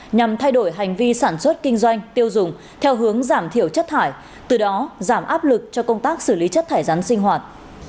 nhằm thay đổi hành vi sản xuất kinh doanh tiêu dùng theo hướng giảm thiểu chất thải từ đó giảm áp lực cho công tác xử lý chất thải rắn sinh hoạt